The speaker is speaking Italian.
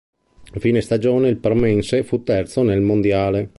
A fine stagione il parmense fu terzo nel Mondiale.